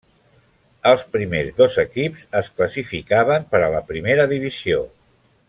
Els primers dos equips es classificaven per a la primera divisió.